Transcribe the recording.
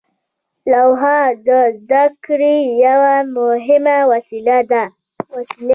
لوحه د زده کړې یوه مهمه وسیله وه.